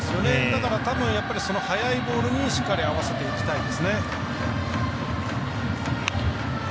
だから、速いボールにしっかり合わせていきたいですね。